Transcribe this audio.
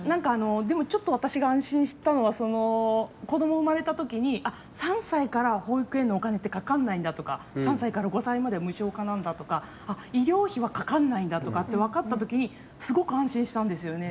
でも、ちょっと私が安心したのはその、子ども生まれたときにあ、３歳から保育園のお金ってかかんないんだとか３歳から５歳まで無償化なんだとか医療費はかかんないんだとかって分かったときにすごく安心したんですよね。